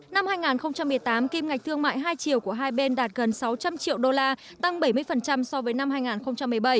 năm hai nghìn một mươi tám kim ngạch thương mại hai triệu của hai bên đạt gần sáu trăm linh triệu đô la tăng bảy mươi so với năm hai nghìn một mươi bảy